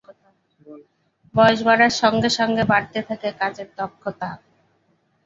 বয়স বাড়ার সঙ্গে সঙ্গে বাড়তে থাকে কাজের দক্ষতা।